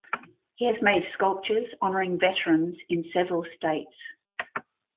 He has made sculptures honoring veterans in several states.